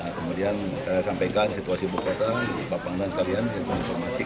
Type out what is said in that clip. nah kemudian saya sampaikan situasi buku kota pak pangdam sekalian yang berinformasi